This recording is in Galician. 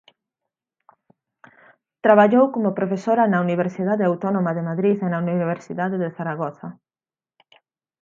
Traballou como profesora na Universidade Autónoma de Madrid e na Universidade de Zaragoza.